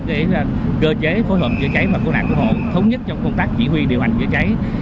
để cơ chế phối hợp chữa cháy và cứu nạn cứu hộ thống nhất trong công tác chỉ huy điều hành chữa cháy